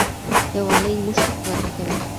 یووالی موږ ته قوت راکوي.